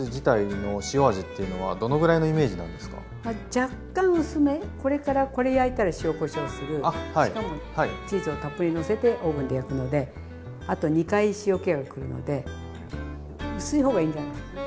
若干薄めこれからこれ焼いたら塩・こしょうするしかもチーズをたっぷりのせてオーブンで焼くのであと２回塩気がくるので薄いほうがいいんじゃないですかね。